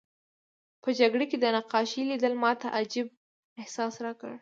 په جګړه کې د نقاشۍ لیدل ماته عجیب احساس راکړ